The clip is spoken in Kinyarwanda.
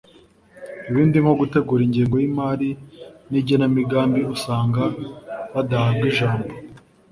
ibindi nko gutegura ingengo y’imari n’igenamigambi usanga badahabwa ijambo